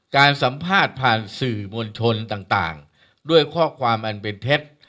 การสัมภาษณ์ผ่านสื่อมวลชนต่างด้วยข้อความอันเป็นเท็จ